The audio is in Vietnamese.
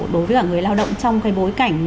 đối với cả người lao động trong cái bối cảnh